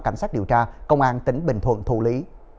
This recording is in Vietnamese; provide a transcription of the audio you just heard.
cảnh sát điều tra công an tỉnh bình thuận thủ lý